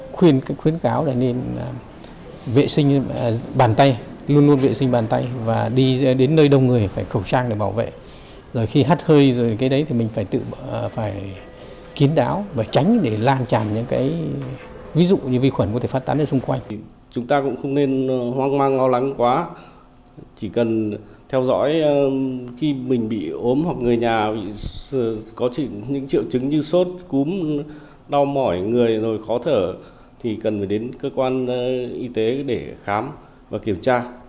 khi mình bị ốm hoặc người nhà có những triệu chứng như sốt cúm đau mỏi người rồi khó thở thì cần phải đến cơ quan y tế để khám và kiểm tra